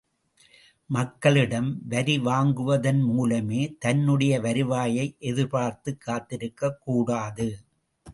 மக்களிடம் வரி வாங்குவதன் மூலமே தன்னுடைய வருவாயை எதிர்பார்த்துக் காத்திருக்கக் கூடாது.